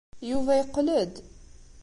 Yuba yeqqel-d.